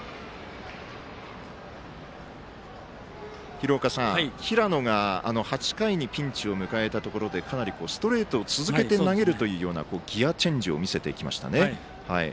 廣岡さん、平野が８回にピンチを迎えたところでストレートを続けて投げるというようなギヤチェンジを見せてきましたね。